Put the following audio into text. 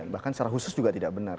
bahkan secara khusus juga tidak benar